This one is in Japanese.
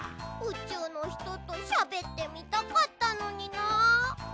うちゅうのひととしゃべってみたかったのにな。